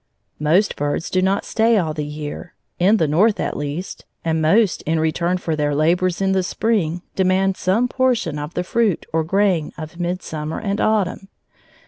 Most birds do not stay all the year, in the North, at least, and most, in return for their labors in the spring, demand some portion of the fruit or grain of midsummer and autumn.